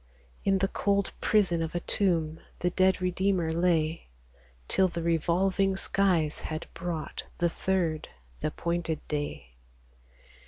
In the cold prison of a tomb The dead Redeemer lay, Till the revolving skies had brought The third, th' appointed day.